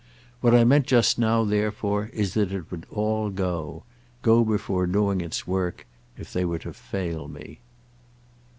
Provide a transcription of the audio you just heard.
What I meant just now therefore is that it would all go—go before doing its work—if they were to fail me."